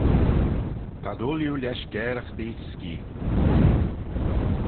T'ad ooilley lesh garraghtee skee.